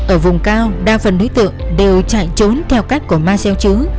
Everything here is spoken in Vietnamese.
ở vùng cao đa phần đối tượng đều chạy trốn theo cách của ma xeo chứ